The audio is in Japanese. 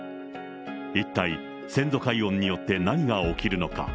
一体、先祖解怨によって何が起きるのか。